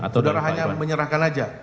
sudara hanya menyerahkan saja